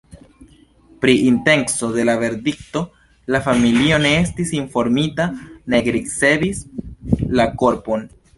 Pri intenco de la verdikto la familio ne estis informita, nek ricevis la korpon.